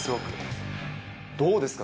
どうですか？